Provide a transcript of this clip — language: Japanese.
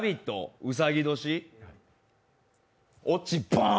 うさぎ年落ちバーン。